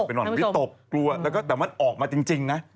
เป็นหวัดวิตกกลัวแต่มันออกมาจริงนะ